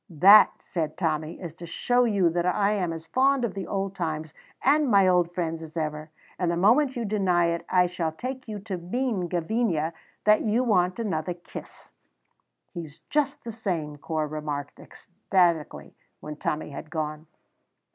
"That," said Tommy, "is to show you that I am as fond of the old times and my old friends as ever, and the moment you deny it I shall take you to mean, Gavinia, that you want another kiss." "He's just the same!" Corp remarked ecstatically, when Tommy had gone.